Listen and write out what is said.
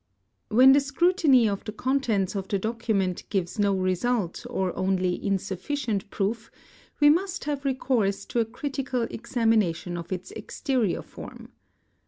When the scrutiny of the contents of the document gives no result _ or only insufficient proof, we must have recourse to a critical examination of its exterior form.